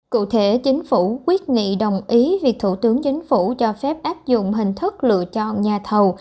cụ thể chính phủ quyết nghị đồng ý việc thủ tướng chính phủ cho phép áp dụng hình thức lựa chọn nhà thầu